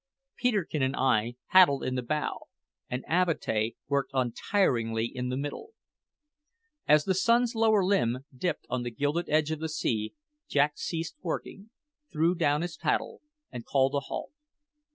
Peterkin and I paddled in the bow, and Avatea worked untiringly in the middle. As the sun's lower limb dipped on the gilded edge of the sea Jack ceased working, threw down his paddle, and called a halt.